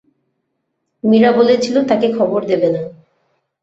মীরা বলেছিল তাকে খবর দেবে না।